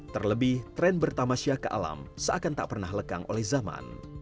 terlebih tren bertamasya ke alam seakan tak pernah lekang oleh zaman